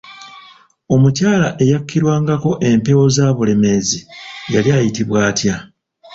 Omukyala eyakkirwangako empewo za Bulemeezi yali ayitibwa atya?